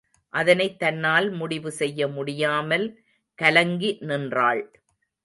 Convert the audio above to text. அதனைத் தன்னால் முடிவு செய்யமுடியாமல் கலங்கி நின்றாள்.